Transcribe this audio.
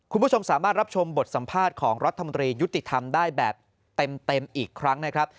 คุณผู้ชมสามารถรับชมบทสัมภาษณ์ของรัฐมนตรียุติธรรมได้แบบเต็มอีกครั้งนะครับ